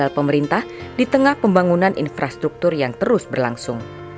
pemerintah di tengah pembangunan infrastruktur yang terus berlangsung